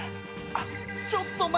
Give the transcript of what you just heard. あっちょっと前。